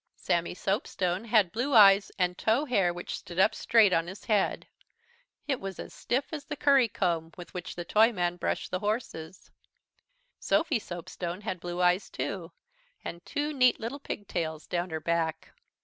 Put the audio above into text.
Sammy Soapstone had blue eyes and tow hair which stood up straight on his head. It was as stiff as the curry comb with which the Toyman brushed the horses. Sophy Soapstone had blue eyes, too, and two neat little pigtails down her back.